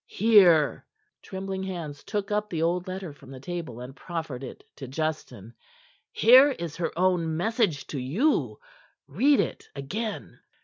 Here!" Trembling hands took up the old letter from the table and proffered it to Justin. "Here is her own message to you. Read it again."